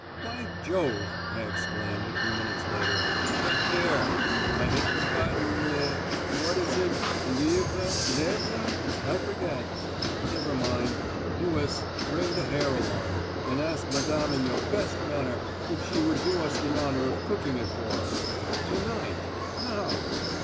"By Jove," I exclaimed, a few minutes later. "The hare. I had forgotten le what is it, lièvre, lèvre? I forget. Never mind. Lewis, bring the hare along, and ask Madame in your best manner if she would do us the honour of cooking it for us. To night, now."